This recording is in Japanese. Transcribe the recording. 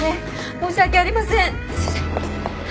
申し訳ありません！